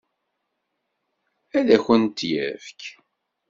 Ad akent-t-yefk?